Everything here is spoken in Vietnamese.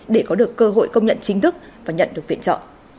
để có được cơ hội công nhận chính thức và nhận được viện trợ